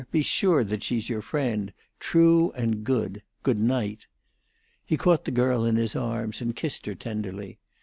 Be sure that she's your friend—true and good. Good night." He caught the girl in his arms, and kissed her tenderly.